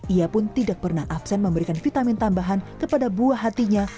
ia pun tidak pernah absen memberikan vitamin tambahan kepada buah hatinya